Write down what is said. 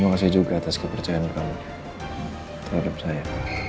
terima kasih juga atas kepercayaan kami terhadap saya